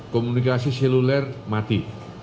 komunikasi seluler mati